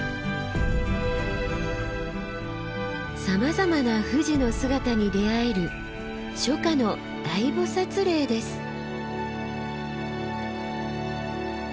さまざまな富士の姿に出会える初夏の大菩嶺です。